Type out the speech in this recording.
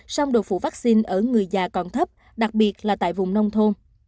song đột phụ vaccine ở người già còn thấp đặc biệt là tại vùng nông thôn